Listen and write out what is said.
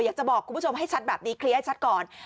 อยากจะบอกคุณผู้ชมให้ชัดแบบนี้เคลียร์ให้ชัดก่อน